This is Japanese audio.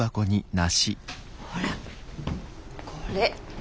ほらっこれ。